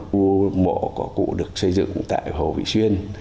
ngôi mộ có cụ được xây dựng tại hồ vị xuyên